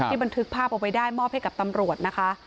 ที่มันถึกภาพออกไปได้มอบให้กับตำรวจนะคะ